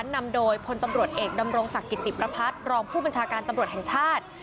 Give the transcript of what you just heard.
นำโดยพลตำรวจเอกดำรงศักดิ์กิติประพัฒน์รองผู้บัญชาการตำรวจแห่งชาติ